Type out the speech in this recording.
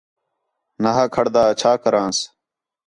نا ہا کھڑدا اچھا کرانس